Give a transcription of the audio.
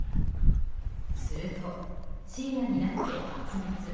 すると、深夜になって発熱。